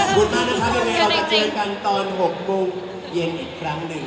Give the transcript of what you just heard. กลับมาเจอกันตอน๖โมงเย็นอีกครั้งหนึ่ง